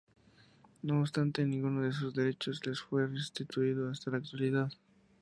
No obstante, ninguno de sus derechos les fue restituido hasta la actualidad.